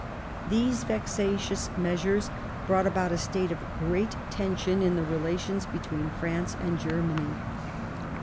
These vexatious measures brought about a state of great tension in the rela tions between France and Germany.